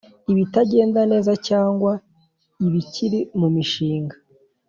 Ibitagenda neza cyangwa cyangwa ibikiri mu mishinga